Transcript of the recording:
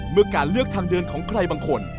เมื่อการเลือกทางเดินของใครบางคน